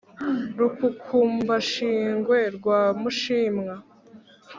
Rukukumbashingwe rwa Mushimwa,